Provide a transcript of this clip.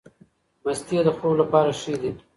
مستې د خوب لپاره ښې دي.